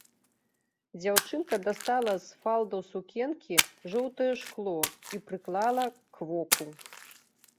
Дзяўчынка дастала з фалдаў сукенкі жоўтае шкло і прыклала к воку.